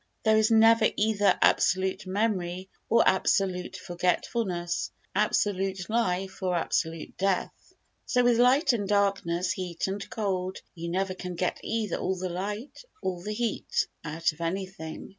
There is never either absolute memory or absolute forgetfulness, absolute life or absolute death. So with light and darkness, heat and cold, you never can get either all the light, or all the heat, out of anything.